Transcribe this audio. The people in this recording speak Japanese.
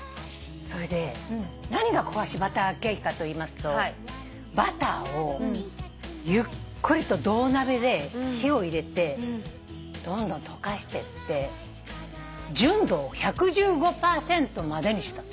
それで何がこがしバターケーキかといいますとバターをゆっくりと銅鍋で火を入れてどんどん溶かしてって純度を１１５％までにした。